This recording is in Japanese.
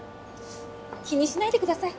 気にしないでください。